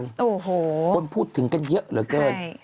โอ้โหคนพูดถึงกันเยอะเหลือเกิน